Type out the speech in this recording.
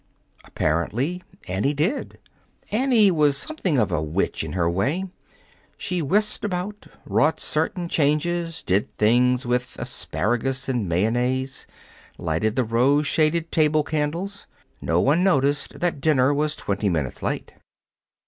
Apparently Annie did. Annie was something of a witch, in her way. She whisked about, wrought certain changes, did things with asparagus and mayonnaise, lighted the rose shaded table candles. No one noticed that dinner was twenty minutes late.